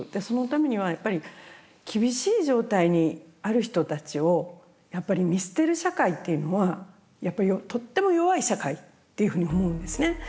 そのためにはやっぱり厳しい状態にある人たちを見捨てる社会っていうのはやっぱりとっても弱い社会っていうふうに思うんですね。